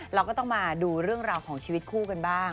เราก็ต้องมาดูเรื่องราวของชีวิตคู่กันบ้าง